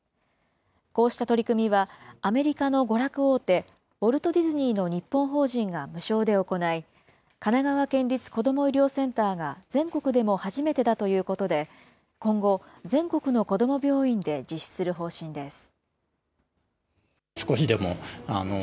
こうした取り組みは、アメリカの娯楽大手、ウォルト・ディズニーの日本法人が無償で行い、神奈川県立こども医療センターが全国でも初めてだということで、今後、全国の子ども病院で実施する方針です。